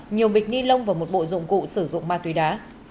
nhiều bịch ni lông và một bộ dụng cụ sử dụng ma túy đá